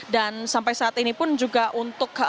dan sampai saat ini pun juga untuk kelas